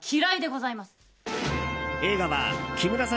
映画は木村さん